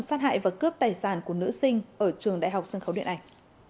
sát hại và cướp tài sản của nữ sinh ở trường đại học sân khấu điện ảnh